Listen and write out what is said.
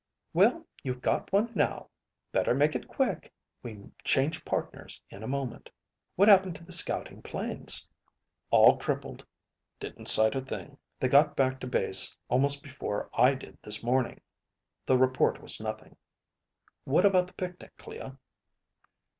"Well, you've got one now. Better make it quick. We change partners in a moment. What happened to the scouting planes?" "All crippled. Didn't sight a thing. They got back to base almost before I did this morning. The report was nothing. What about the picnic, Clea?"